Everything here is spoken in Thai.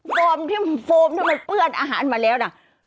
โฟมที่มันเปื้อนอาหารมาแล้วนะ